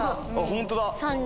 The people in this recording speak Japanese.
本当だ！